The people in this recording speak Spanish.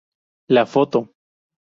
La foto.